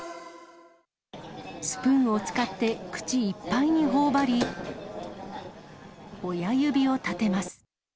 スプーンを使って、口いっぱいにほおばり、親指を立てます。